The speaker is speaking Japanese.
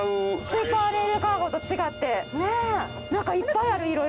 スーパーレールカーゴと違って何かいっぱいあるいろいろ。